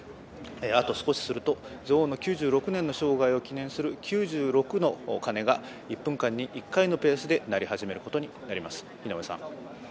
あと少しすると、女王の９６年の生涯を記念する９６の鐘が、１分間に１回のペースで鳴り始めることになります。